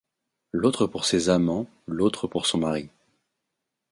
L'autre pour ses amants, l'autre pour son mari ;